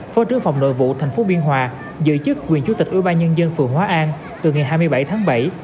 phó trưởng phòng nội vụ tp biên hòa giữ chức quyền chủ tịch ủy ban nhân dân phường hóa an từ ngày hai mươi bảy tháng bảy